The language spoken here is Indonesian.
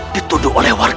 dituduh untuk mencari makanan